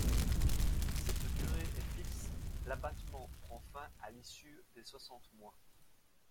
Cette durée est fixe : l’abattement prend fin à l’issue des soixante mois.